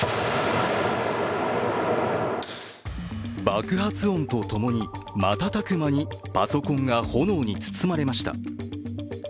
爆発音とともに瞬く間にパソコンが炎に包まれました。